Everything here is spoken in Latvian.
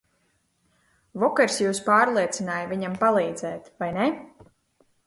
Vokers jūs pārliecināja viņam palīdzēt, vai ne?